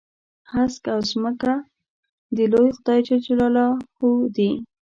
هسک او ځمکه د لوی خدای جل جلاله دي.